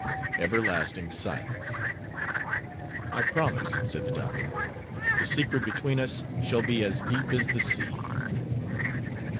"Everlasting silence." "I promise," said the doctor. "The secret between us shall be as deep as the sea."